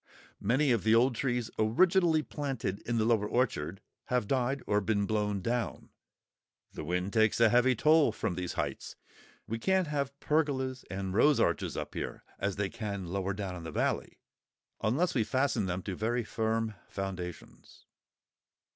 Many of the old trees originally planted in the lower orchard have died or been blown down; the wind takes a heavy toll from these heights; we can't have pergolas and rose arches up here, as they can lower down in the valley, unless we fasten them to very firm foundations.